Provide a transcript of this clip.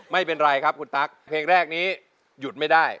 ไม่เป็นไรครับคุณตั๊กเพลงแรกนี้หยุดไม่ได้